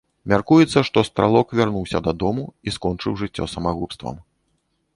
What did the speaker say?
Мяркуецца што стралок вярнуўся дадому і скончыў жыццё самагубствам.